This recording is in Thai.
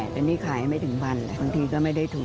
แต่นี่ขายไม่ถึง๑๐๐๐บาทบางทีก็ไม่ได้ทุน